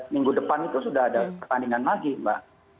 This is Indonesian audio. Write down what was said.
minggu depan itu sudah ada pertandingan lagi mbak